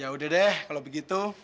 yaudah deh kalau begitu